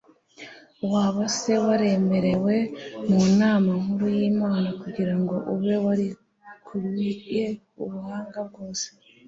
waba se waremerewe mu nama nkuru y'imana kugira ngo ube warikubiye ubuhanga bwose